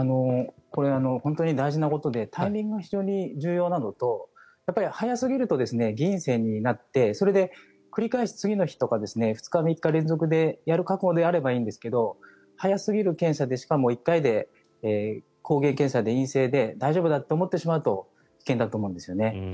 本当に大事なことでタイミングが非常に重要なのと早すぎると偽陰性になってそれで繰り返し次の日とか２日、３日やる覚悟があればいいんですが早すぎる検査でしかも１回で抗原検査で陰性で大丈夫だと思ってしまうと危険だと思うんですよね。